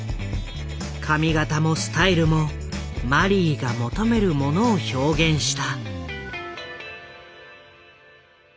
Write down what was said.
髪形もスタイルもマリーが求めるものを表現した。